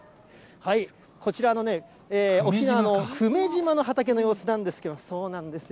こちらのね、沖縄の久米島の畑の様子なんですけれども、そうなんですよ。